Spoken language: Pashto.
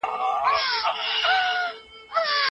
موږ باید د نویو واقعیتونو منلو ته چمتو اوسو.